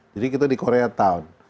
jadi kita di koreatown